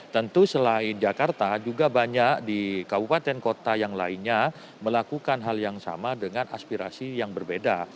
tentu selain jakarta juga banyak di kabupaten kota yang lainnya melakukan hal yang sama dengan aspirasi yang berbeda